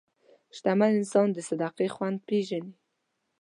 شتمن انسان د صدقې خوند پېژني.